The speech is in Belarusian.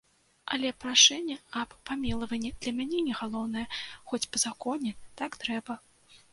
Але прашэння аб памілаванні для мяне не галоўнае, хоць па законе так трэба.